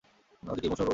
নদীটি মৌসুমি প্রকৃতির।